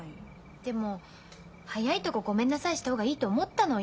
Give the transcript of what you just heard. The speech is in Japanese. でも早いとこごめんなさいした方がいいと思ったのよ。